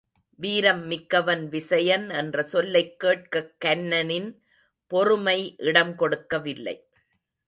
வீரம் மிக்கவன் விசயன் என்ற சொல்லைக்கேட்கக் கன்னனின் பொறுமை இடம் கொடுக்கவில்லை.